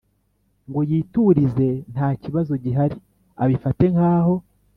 ngo yiturize ntakibazo gihari abifate nkaho